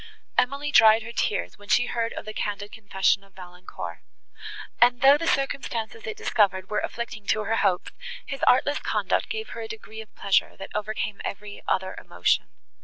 Emily dried her tears when she heard of the candid confession of Valancourt; and, though the circumstances it discovered were afflicting to her hopes, his artless conduct gave her a degree of pleasure, that overcame every other emotion.